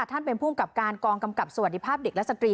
ท่านเป็นภูมิกับการกองกำกับสวัสดีภาพเด็กและสตรี